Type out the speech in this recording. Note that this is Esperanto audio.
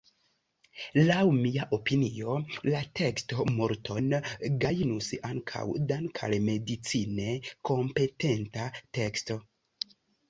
Laŭ mia opinio, la teksto multon gajnus ankaŭ dank’ al medicine kompetenta teksto.